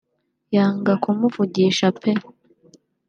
yanga kumuvugisha pe